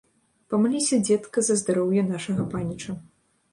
Памаліся, дзедка, за здароўе нашага паніча.